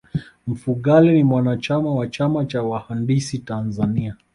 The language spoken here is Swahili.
mfugale ni mwanachama wa chama cha wahandisi tanzania